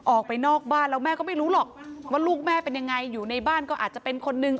ออกไปนอกบ้านแล้วแม่ก็ไม่รู้หรอกว่าลูกแม่เป็นยังไงอยู่ในบ้านก็อาจจะเป็นคนนึง